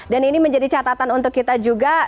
dan ini menjadi catatan untuk kita juga